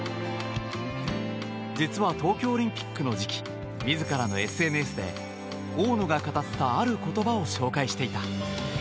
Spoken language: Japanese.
実は、東京オリンピックの時期自らのＳＮＳで大野が語ったある言葉を紹介していた。